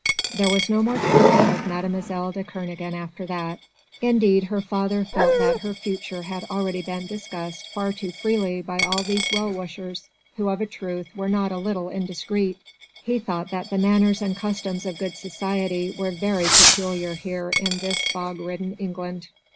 There was no more talk of Mlle. de Kernogan after that. Indeed her father felt that her future had already been discussed far too freely by all these well wishers who of a truth were not a little indiscreet. He thought that the manners and customs of good society were very peculiar here in this fog ridden England.